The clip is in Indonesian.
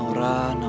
kamu akan menikah